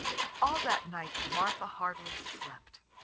All that night Martha hardly slept.